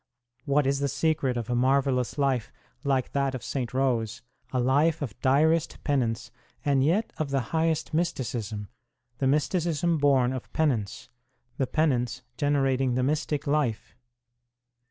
What is the secret of a marvellous life, like that of St. Rose, a life of direst penance and yet of the highest mysticism the mysticism born of penance, the penance generating the mystic life